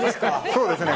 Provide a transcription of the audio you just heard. そうですね。